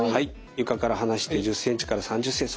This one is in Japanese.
床から離して１０ｃｍから３０ｃｍ。